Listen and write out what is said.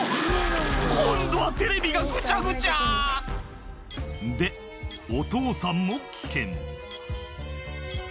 今度はテレビがぐちゃぐちゃでお父さんも危険